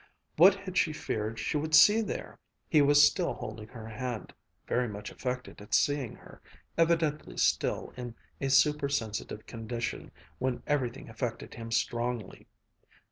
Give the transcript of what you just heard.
What had she feared she would see there? He was still holding her hand, very much affected at seeing her, evidently still in a super sensitive condition when everything affected him strongly.